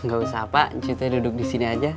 gak usah pak cuy tuh duduk disini aja